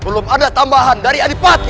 belum ada tambahan dari adipati